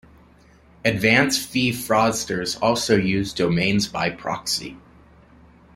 Advance Fee fraudsters also use Domains By Proxy.